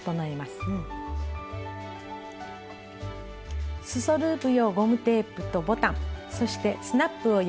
すそループ用ゴムテープとボタンそしてスナップを用意します。